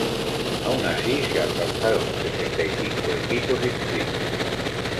Aun así, se alcanzaron los sesenta y cinco equipos inscritos.